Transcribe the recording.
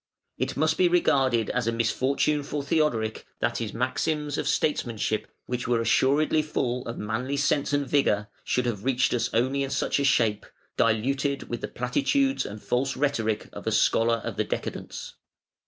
It must be regarded as a misfortune for Theodoric that his maxims of statesmanship, which were assuredly full of manly sense and vigour, should have reached us only in such a shape, diluted with the platitudes and false rhetoric of a scholar of the decadence.